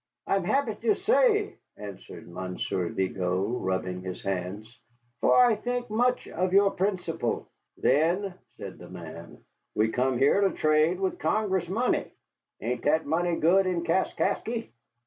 "I am happy to say," answered Monsieur Vigo, rubbing his hands, "for I think much of your principle." "Then," said the man, "we come here to trade with Congress money. Hain't that money good in Kaskasky?"